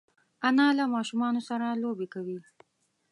انا له ماشومانو سره لوبې کوي